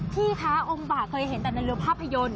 พี่คะองค์บากเคยเห็นแต่ในเรือภาพยนตร์